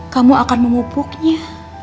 kamu akan mengupuknya